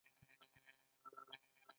قدرت تباه کړ.